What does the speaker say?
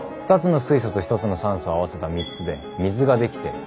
２つの水素と１つの酸素を合わせた３つで水ができて。